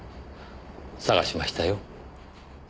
探しましたよ。